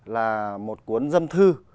là một cuốn dâm thư